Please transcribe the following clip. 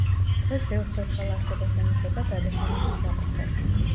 დღეს ბევრ ცოცხალ არსებას ემუქრება გადაშენების საფრთხე.